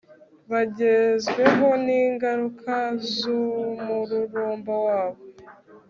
Bagezweho ningaruka zumururumba wabo